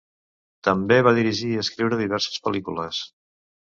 També va dirigir i escriure diverses pel·lícules.